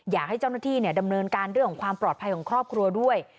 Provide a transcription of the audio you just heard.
อยากให้เจ้าหน้าที่ดำเนินการเรื่องของความปลอดภัยของครอบครัวด้วย